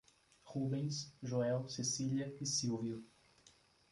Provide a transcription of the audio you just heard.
Rubens, Joel, Cecília e Sílvio